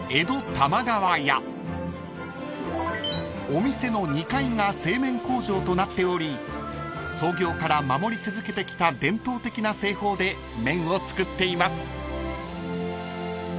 ［お店の２階が製麺工場となっており創業から守り続けてきた伝統的な製法で麺を作っています］